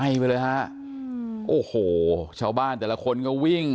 ไปเลยฮะโอ้โหชาวบ้านแต่ละคนก็วิ่ง